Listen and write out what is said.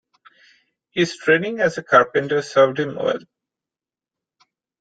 His training as a carpenter served him well.